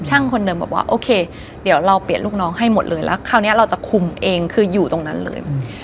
คนเดิมบอกว่าโอเคเดี๋ยวเราเปลี่ยนลูกน้องให้หมดเลยแล้วคราวนี้เราจะคุมเองคืออยู่ตรงนั้นเลย